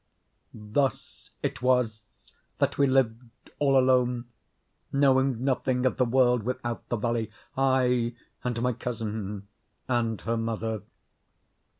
Thus it was that we lived all alone, knowing nothing of the world without the valley—I, and my cousin, and her mother.